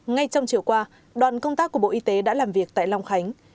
ngay trong chiều qua đoàn công tác của bộ y tế đã làm việc tại long khánh